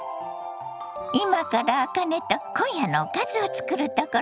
今からあかねと今夜のおかずを作るところよ。